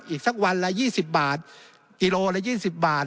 อีกสักวันละ๒๐บาทกิโลละ๒๐บาท